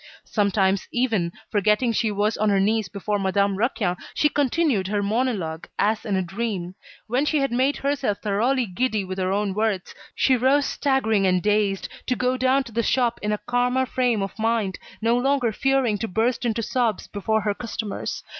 Sometimes even, forgetting she was on her knees before Madame Raquin, she continued her monologue as in a dream. When she had made herself thoroughly giddy with her own words, she rose staggering and dazed, to go down to the shop in a calmer frame of mind, no longer fearing to burst into sobs before her customers.